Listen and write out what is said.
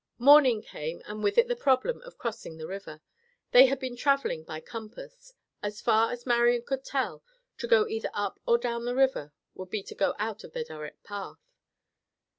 Morning came, and with it the problem of crossing the river. They had been traveling by compass. As far as Marian could tell, to go either up or down the river would be to go out of their direct path.